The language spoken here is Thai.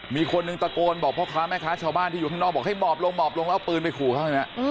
มีคนหนึ่งตะโกนบอกพ่อค้าแม่ค้าชาวบ้านที่อยู่ข้างนอกบอกให้หมอบลงหมอบลงแล้วเอาปืนไปขู่เขาอย่างนี้